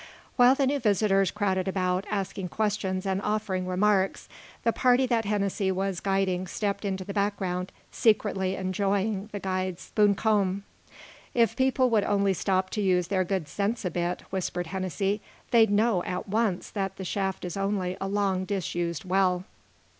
While the new visitors crowded about, asking questions and offering remarks, the party that Hennessy was guiding stepped into the background, secretly enjoying the guide's buncombe. "If people would only stop to use their good sense a bit," whispered Hennessy, "they'd know, at once, that the shaft is only a long disused well."